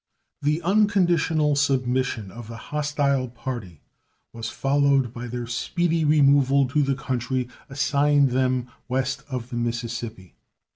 The unconditional submission of the hostile party was followed by their speedy removal to the country assigned them West of the Mississippi.